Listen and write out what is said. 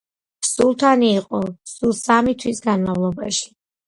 სულთანი იყო სულ სამი თვის განმავლობაში.